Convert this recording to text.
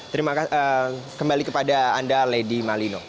terima kasih kembali kepada anda lady malino